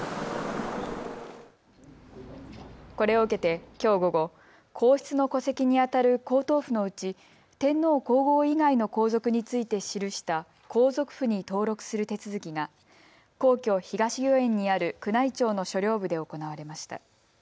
これを受けて、きょう午後、皇室の戸籍にあたる皇統譜のうち天皇皇后以外の皇族について記した皇族譜に登録する手続きが皇居・東御苑にある宮内庁の書陵部で行われました。